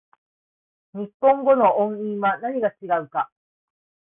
日本語の音韻は何が違うか